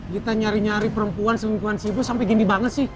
kita nyari nyari perempuan selingkuhan sibuk sampai gini banget sih